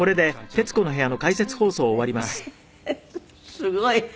すごい。